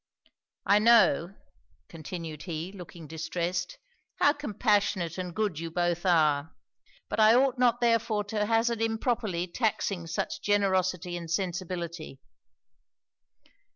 I know,' continued he, looking distressed, 'how compassionate and good you both are; but I ought not therefore to hazard improperly taxing such generosity and sensibility.'